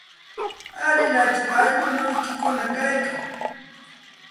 ¿Alilachu aylluykikuna kaykan?